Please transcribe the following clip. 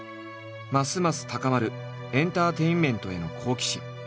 ますます高まるエンターテインメントへの好奇心。